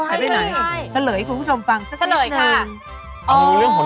ไม่ได้เห็นหน้าบอลมา